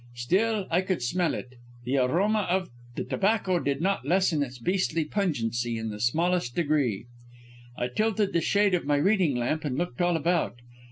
Still I could smell it; the aroma of the tobacco did not lessen its beastly pungency in the smallest degree. "I tilted the shade of my reading lamp and looked all about.